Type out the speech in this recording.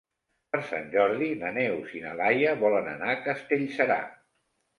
Per Sant Jordi na Neus i na Laia volen anar a Castellserà.